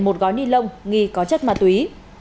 một gói ni lông nghi có chất ma túy